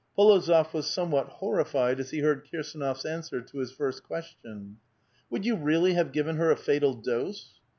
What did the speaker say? P61ozof was somewhat horrified, as he heard KirsAnof's answer to his first question. " Would you really have given her a fatal dose?"